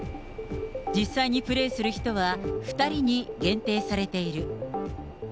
実際にプレーする人は２人に限定されている。